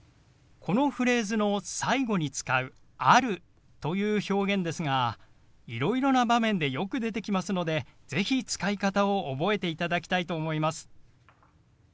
このフレーズの最後に使う「ある」という表現ですがいろいろな場面でよく出てきますので是非使い方を覚えていただきたいと思います。